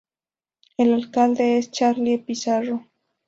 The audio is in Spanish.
El alcalde es Charlie Pizarro.